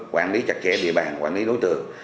quản lý chặt chẽ địa bàn quản lý đối tượng